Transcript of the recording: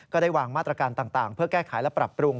ก็ได้วางมาตรการต่างเพื่อแก้ไขและปรับปรุง